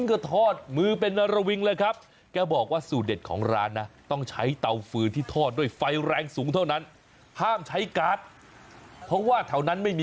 คุณรู้อายุเลยคุณชนะ